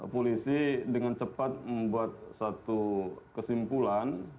polisi dengan cepat membuat satu kesimpulan